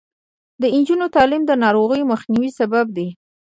د نجونو تعلیم د ناروغیو مخنیوي سبب دی.